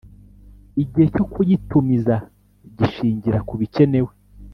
Igihe cyo kuyitumiza gishingira ku bikenewe